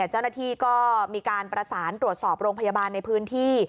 เจ้าหน้าที่ก็มีการประสานตรวจสอบโรงพยาบาลในพื้นที่